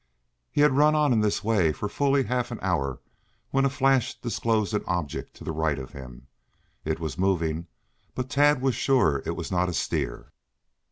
He had run on in this way for fully half an hour when a flash disclosed an object to the right of him. It was moving, but Tad was sure it was not a steer.